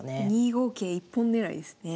２五桂一本狙いですね。